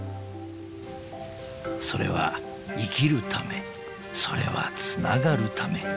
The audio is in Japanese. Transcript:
［それは生きるためそれはつながるため］